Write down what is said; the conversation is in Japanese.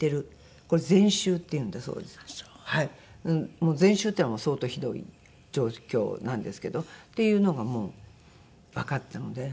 もう全周っていうのは相当ひどい状況なんですけど。っていうのがもうわかったので。